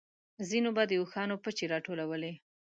ځينو به د اوښانو پچې راټولولې.